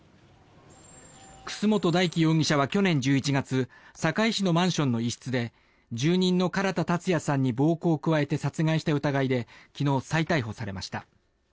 楠本大樹容疑者は去年１１月堺市のマンションの一室で住人の唐田健也さんに暴行を加えて殺害した疑いで昨日、再逮捕されました。